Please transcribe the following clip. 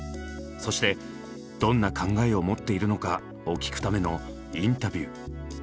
そしてどんな考えを持っているのかを聞くためのインタビュー。